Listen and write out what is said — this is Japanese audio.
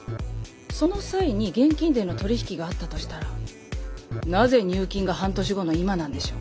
その際に現金での取り引きがあったとしたらなぜ入金が半年後の今なんでしょう。